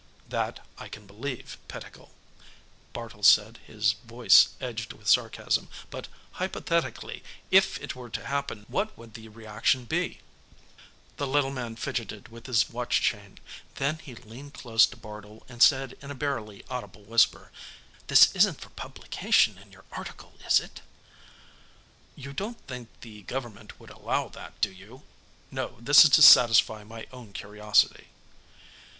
"That, I can believe, Pettigill," Bartle said, his voice edged with sarcasm. "But, hypothetically, if it were to happen, what would the reaction be?" The little man fidgeted with his watch chain. Then he leaned close to Bartle and said in a barely audible whisper, "This isn't for publication in your article, is it?" "You don't think the Government would allow that, do you? No, this is to satisfy my own curiosity."